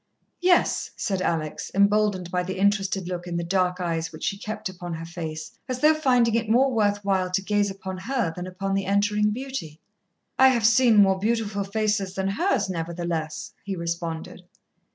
"Yes," said Alex, emboldened by the interested look in the dark eyes which he kept upon her face, as though finding it more worth while to gaze upon her than upon the entering beauty. "I have seen more beautiful faces than hers, nevertheless," he responded.